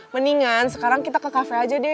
mendingan sekarang kita ke kafe aja deh